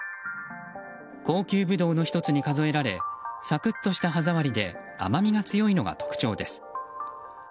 高級ブドウの１つに数えられサクッとした歯触りで甘みが強いのが特徴です。